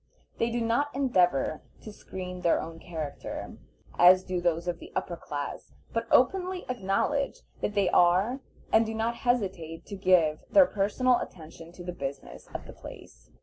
They do not endeavor to screen their own character, as do those of the upper class, but openly acknowledge what they are, and do not hesitate to give their personal attention to the business of the place.